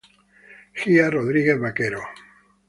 Gia Rodríguez Vaquero.